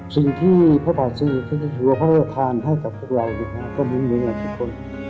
สิ่งที่พระบาทศึกษ์เขาถือว่าพระบาทธานให้กับพวกเราก็เหมือนกับทุกคน